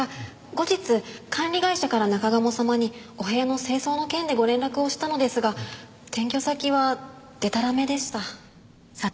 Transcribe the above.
後日管理会社から中鴨様にお部屋の清掃の件でご連絡をしたのですが転居先はでたらめでした。